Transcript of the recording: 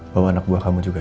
bawa anak buah kamu juga